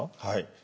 はい。